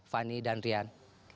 fani dan rian